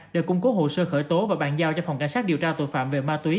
để cung cố hồ sơ khởi tố và bàn giao cho phòng cảnh sát điều tra tội phạm về ma túy